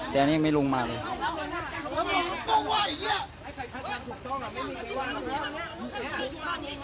แต่อันนี้ไม่ลงมาเลย